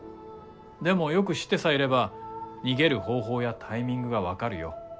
でもよく知ってさえいれば逃げる方法やタイミングが分かるよ